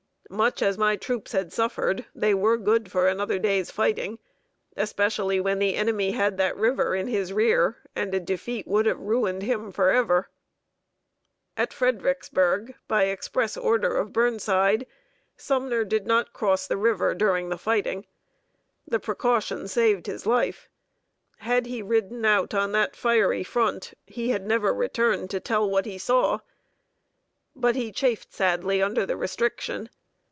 Much, as my troops had suffered, they were good for another day's fighting, especially when the enemy had that river in his rear, and a defeat would have ruined him forever." [Sidenote: LOVE FOR HIS OLD COMRADES.] At Fredericksburg, by the express order of Burnside, Sumner did not cross the river during the fighting. The precaution saved his life. Had he ridden out on that fiery front, he had never returned to tell what he saw. But he chafed sadly under the restriction.